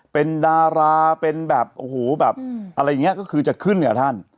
เป็นดาราเป็นแบบโอ้โหแบบอะไรอย่างนี้ก็คือจะขึ้นกับท่าน